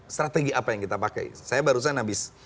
strategi apa yang kita pakai saya barusan habis